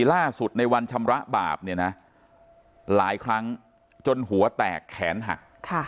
ล่าสุดในวันชำระบาปเนี่ยนะหลายครั้งจนหัวแตกแขนหัก